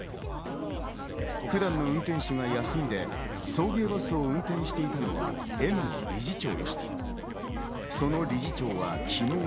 普段の運転手は休みで、送迎バスを運転していたのが園の理事長でした。